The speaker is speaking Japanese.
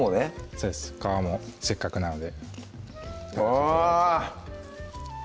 そうです皮もせっかくなんであぁ！